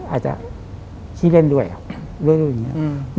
อาจจะขี้เล่นด้วยครับด้วยอย่างนี้